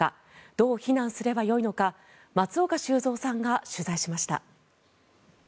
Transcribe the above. どう避難すればよいのか松岡修造さんが取材しました。